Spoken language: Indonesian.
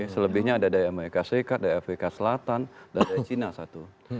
selebihnya ada dari amerika serikat dari afrika selatan dan dari cina satu